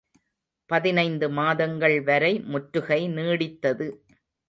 பதினைந்து மாதங்கள் வரை முற்றுகை நீடித்தது.